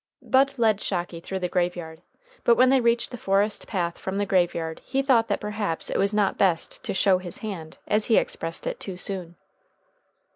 Bud led Shocky through the graveyard. But when they reached the forest path from the graveyard he thought that perhaps it was not best to "show his hand," as he expressed it, too soon.